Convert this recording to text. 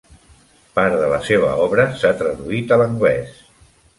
Part de la seva obra s'ha traduït a l'anglès.